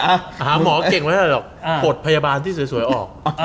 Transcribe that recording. หาหมอเก่งแต้ชอบกดพยาบาลที่สวยออก